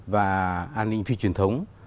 và an ninh phi truyền thống